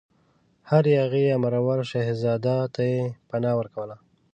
هر یاغي یا مرور شهزاده ته یې پناه ورکوله.